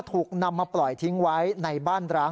ถูกนำมาปล่อยทิ้งไว้ในบ้านร้าง